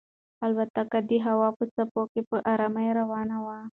الوتکه د هوا په څپو کې په ارامۍ روانه وه.